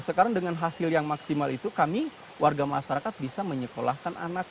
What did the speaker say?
sekarang dengan hasil yang maksimal itu kami warga masyarakat bisa menyekolahkan anak